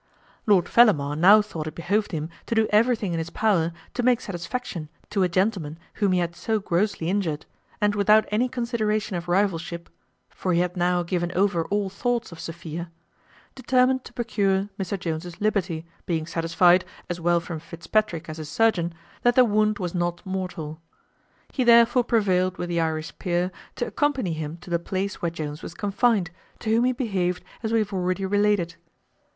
Lord Fellamar now thought it behoved him to do everything in his power to make satisfaction to a gentleman whom he had so grossly injured, and without any consideration of rivalship (for he had now given over all thoughts of Sophia), determined to procure Mr Jones's liberty, being satisfied, as well from Fitzpatrick as his surgeon, that the wound was not mortal. He therefore prevailed with the Irish peer to accompany him to the place where Jones was confined, to whom he behaved as we have already related.